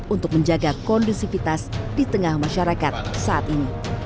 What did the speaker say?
untuk menjaga kondusivitas di tengah masyarakat saat ini